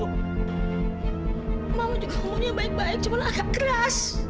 mama juga umurnya baik baik cuma agak keras